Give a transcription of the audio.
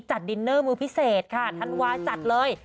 ดินเนอร์มือพิเศษค่ะธันวาจัดเลย